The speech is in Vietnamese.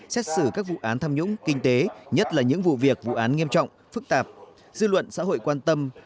xét xử các vụ án tham nhũng kinh tế nhất là những vụ việc vụ án nghiêm trọng phức tạp dư luận xã hội quan tâm